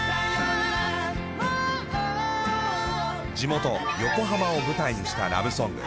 地元横浜を舞台にしたラブソング。